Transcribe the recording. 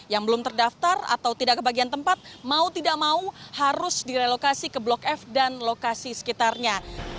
yang belum terdaftar atau tidak kebagian tempat mau tidak mau harus direlokasi ke blok f dan lokasi sekitarnya